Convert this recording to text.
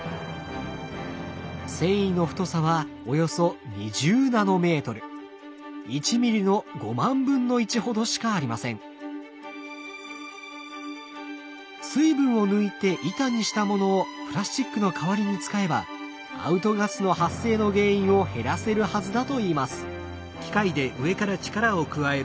繊維の太さはおよそ水分を抜いて板にしたものをプラスチックの代わりに使えばアウトガスの発生の原因を減らせるはずだといいます。